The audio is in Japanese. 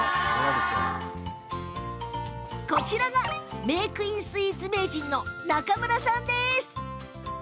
こちらがメークイーンスイーツ名人の中村さんです。